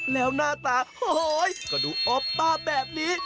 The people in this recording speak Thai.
แล้วหน้าตาโหยก็ดูอบตาแบบนี้